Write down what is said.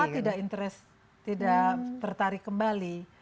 karena tidak interest tidak tertarik kembali